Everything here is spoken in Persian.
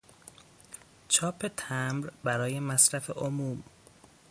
چاپ تمبر برای مصرف عموم